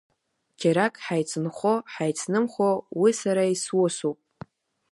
Џьарак ҳаицынхо ҳаицнымхо уи сара исусуп.